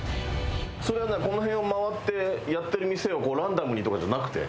それは何この辺を回ってやってる店をランダムにとかじゃなくて？